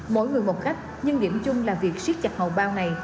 mỗi người một cách nhưng điểm chung là việc siết chặt hậu bao này